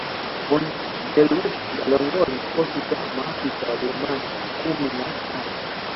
von Zelewski aliongoza kikosi cha maafisa Wajerumani kumi na tatu